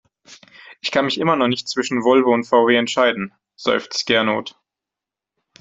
Ich kann mich noch immer nicht zwischen Volvo und VW entscheiden, seufzt Gernot.